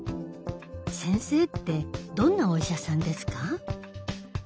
先生ってどんなお医者さんですか？